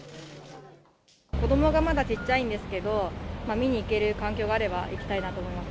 子どもがまだちっちゃいんですけど、見に行ける環境があれば、行きたいなと思います。